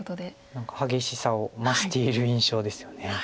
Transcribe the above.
何か激しさを増している印象ですよね。